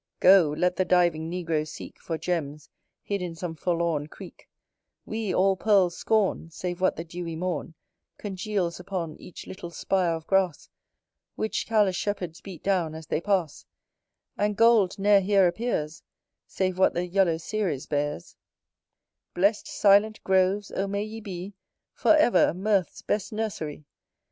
Go, let the diving negro seek For gems, hid in some forlorn creek: We all pearls scorn, Save what the dewy morn Congeals upon each little spire of grass, Which careless shepherds beat down as they pass: And gold ne'er here appears, Save what the yellow Ceres bears, Blest silent groves, oh may ye be, For ever, mirth's best nursery!